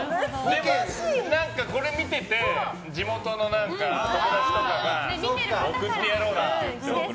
これ見てて地元の友達とかが送ってやろうって。